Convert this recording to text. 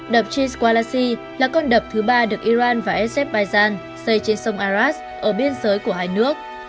đập chiến của iran ibrahim raisi là con đập thứ ba được iran và azerbaijan xây trên sông aras ở biên giới của hai nước